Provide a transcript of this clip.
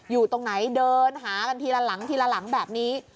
อยู่ตรงไหนเดินหากันทีละหลังทีละหลังแบบนี้